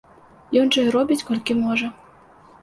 Ён жа і робіць колькі можа.